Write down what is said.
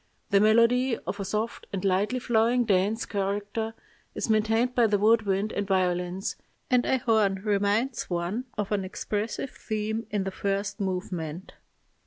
The melody, of a soft and lightly flowing dance character, is maintained by the wood wind and violins, and a horn reminds one of an expressive theme in the first movement.